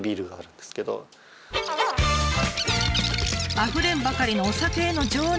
あふれんばかりのお酒への情熱。